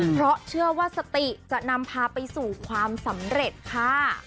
เพราะเชื่อว่าสติจะนำพาไปสู่ความสำเร็จค่ะ